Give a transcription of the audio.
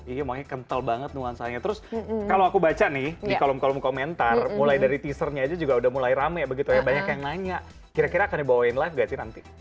iya makanya kental banget nuansanya terus kalau aku baca nih di kolom kolom komentar mulai dari teasernya aja juga udah mulai rame begitu ya banyak yang nanya kira kira akan dibawain live gak sih nanti